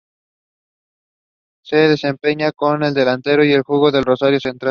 Se desempeñaba como delantero y jugó para Rosario Central.